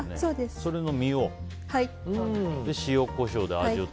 それの身をと。